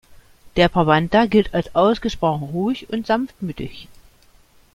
Der Brabanter gilt als ausgesprochen ruhig und sanftmütig.